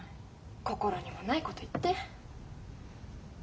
心にもないこと言って。